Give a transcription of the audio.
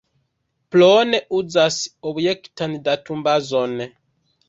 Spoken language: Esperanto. Plone uzas objektan datumbazon.